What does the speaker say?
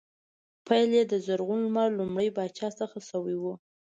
پیل یې د زرغون لمر لومړي پاچا څخه شوی و